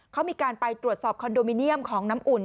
เขามีการไปตรวจสอบคอนโดมิเนียมของน้ำอุ่น